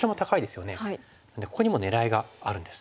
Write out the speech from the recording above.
ここにも狙いがあるんです。